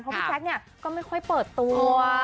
เพราะพี่แจ๊คเนี่ยก็ไม่ค่อยเปิดตัว